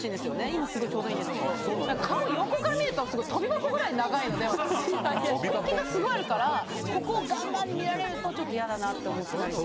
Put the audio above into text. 今すごいちょうどいいんですけど顔を横から見るとすごい跳び箱ぐらい長いので奥行きがすごいあるからここをガンガンに見られると嫌だなと思ったり。